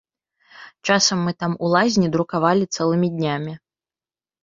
Часам мы там у лазні друкавалі цэлымі днямі.